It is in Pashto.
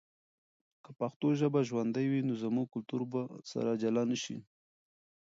که پښتو ژبه ژوندی وي، نو زموږ کلتور به سره جلا نه سي.